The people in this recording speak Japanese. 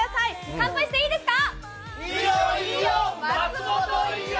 乾杯していいですか？